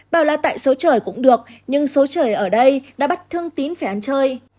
bảo là tại xấu trời cũng được nhưng xấu trời ở đây đã bắt thương tín phải ăn chơi